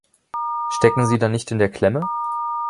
Stecken Sie da nicht in der Klemme?